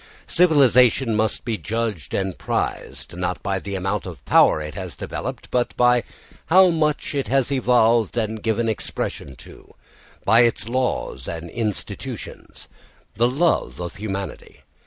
Civilisation must be judged and prized, not by the amount of power it has developed, but by how much it has evolved and given expression to, by its laws and institutions, the love of humanity.